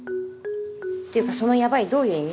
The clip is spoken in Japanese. っていうかそのヤバいどういう意味？